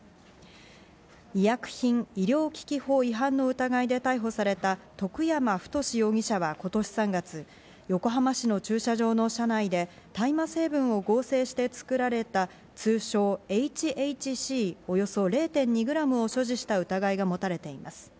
医薬品医療機器法違反の疑いで逮捕された徳山太志容疑者は今年３月、横浜市の駐車場の車内で大麻成分を合成して作られた通称ＨＨＣ、およそ０．２グラムを所持した疑いが持たれています。